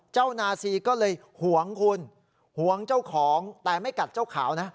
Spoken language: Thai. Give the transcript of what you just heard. นาซีก็เลยหวงคุณหวงเจ้าของแต่ไม่กัดเจ้าขาวนะ